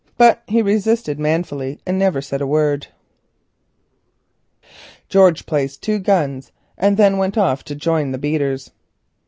But he resisted manfully and said never a word. George placed the two guns, and then went off to join the beaters.